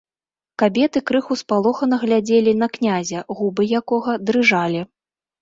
Кабеты крыху спалохана глядзелі на князя, губы якога дрыжалі.